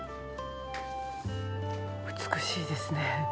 美しいですね。